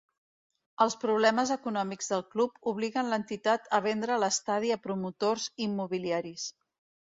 Els problemes econòmics del club obliguen l'entitat a vendre l'estadi a promotors immobiliaris.